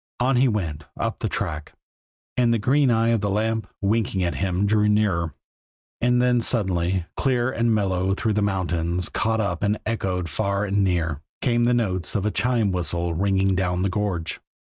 On he went, up the track; and the green eye of the lamp, winking at him, drew nearer. And then suddenly, clear and mellow through the mountains, caught up and echoed far and near, came the notes of a chime whistle ringing down the gorge.